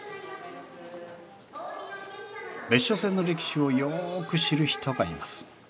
別所線の歴史をよく知る人がいます。